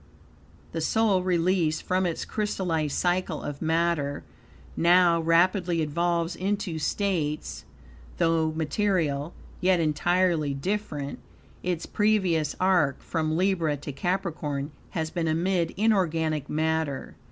The soul, released from its crystallized cycle of matter, now rapidly evolves into states, though material, yet entirely different. Its previous arc, from Libra to Capricorn, has been amid inorganic matter.